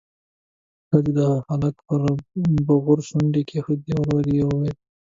ښځې د هلک پر بغور شونډې کېښودې، ورو يې وويل: